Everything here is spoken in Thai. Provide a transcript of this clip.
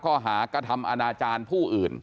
ข้อหากระทำอนาจารย์ผู้อื่น